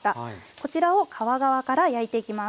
こちらを皮側から焼いていきます。